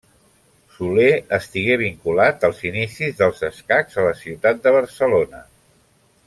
Soler estigué vinculat als inicis dels escacs a la ciutat de Barcelona.